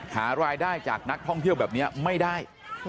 หารายได้จากนักท่องเที่ยวแบบนี้ไม่ได้